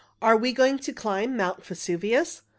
"Are we going to climb Mount Vesuvius?"